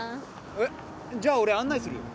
えっ？じゃあ俺案内するよ。